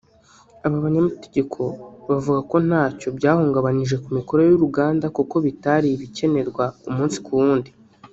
aba banyamategeko bavuga ko ntacyo byahungabanije ku mikorere y’uruganda kuko bitari ibikenerwa umunsi ku wundi